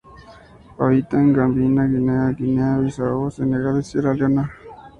Habita en Gambia, Guinea, Guinea-Bissau, Senegal y Sierra Leona.